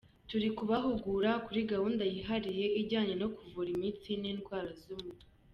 Turi kubahugura kuri gahunda yihariye ijyanye no kuvura imitsi n’indwara z’umutwe”.